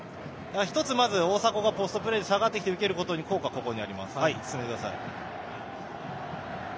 一つ、大迫がポストプレーで下がって受けることの効果があります。